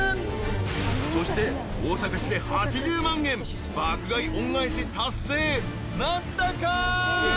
［そして大阪市で８０万円爆買い恩返し達成なったか？］